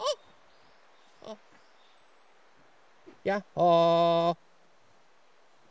やっほ。